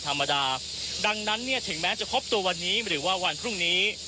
ธรรมดาดังนั้นเนี่ยถึงแม้จะครบตัววันนี้หรือว่าวันพรุ่งนี้